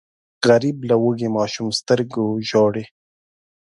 غریب له وږي ماشوم سترګو ژاړي